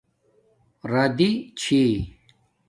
رادی چھی